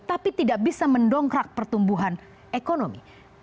tapi tidak bisa mendongkrak pertumbuhan ekonomi